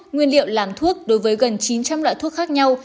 nguyên liệu làm thuốc đối với gần chín trăm linh loại thuốc khác nhau